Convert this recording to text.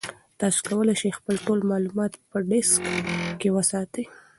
تاسي کولای شئ خپل ټول معلومات په ډیسک کې وساتئ.